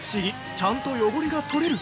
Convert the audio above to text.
ちゃんと汚れが取れる！」